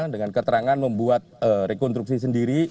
dengan keterangan membuat rekonstruksi sendiri